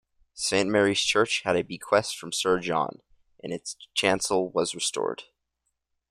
Saint Mary's Church had a bequest from Sir John, and its chancel was restored.